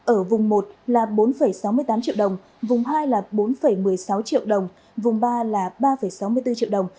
ở vùng một là bốn sáu mươi tám triệu đồng vùng hai là bốn một mươi sáu triệu đồng vùng ba là ba sáu mươi bốn triệu đồng